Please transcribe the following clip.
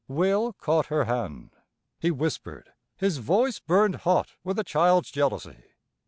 Will caught her hand; he whispered; his voice burned hot with a child's jealousy.